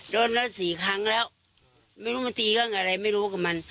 โดนแล้วสี่ครั้งแล้วไม่รู้มันตีเรื่องอะไรไม่รู้กับมัน